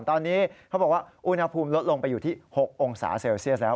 ตอนนี้เขาบอกว่าอุณหภูมิลดลงไปอยู่ที่๖องศาเซลเซียสแล้ว